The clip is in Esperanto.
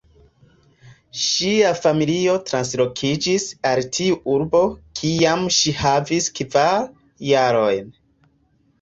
Ŝia familio translokiĝis al tiu urbo kiam ŝi havis kvar jarojn.